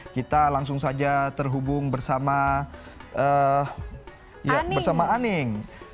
kita langsung saja terhubung bersama aning